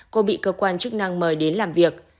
cô bị cơ quan chức năng mời đến làm việc